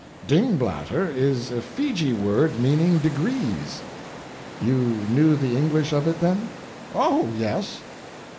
"'DINGBLATTER' is a Fiji word meaning 'degrees.'" "You knew the English of it, then?" "Oh, yes."